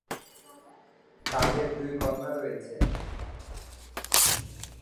তাদের দুই কন্যা রয়েছে।